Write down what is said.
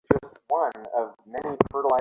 দারুণ হয়েছে রেডি।